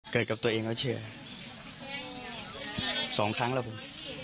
เกิดกับตัวเองแล้วเชื่อสองครั้งแล้วผม